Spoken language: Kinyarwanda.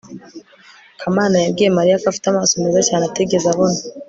kamana yabwiye mariya ko afite amaso meza cyane atigeze abona